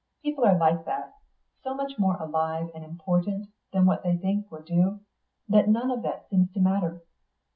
People are like that so much more alive and important than what they think or do, that none of that seems to matter.